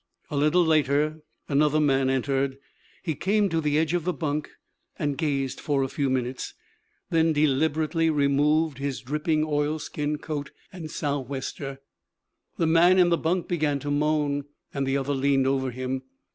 A little later another man entered. He came to the edge of the bunk and gazed for a few minutes, then deliberately removed his dripping oilskin coat and sou'wester. The man in the bunk began to moan, and the other leaned over him.